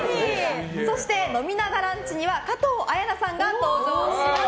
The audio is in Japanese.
そして飲みながランチには加藤綾菜さんが登場します。